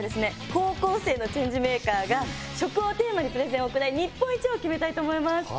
高校生のＣＨＡＮＧＥＭＡＫＥＲが食をテーマにプレゼンを行い日本一を決めたいと思います。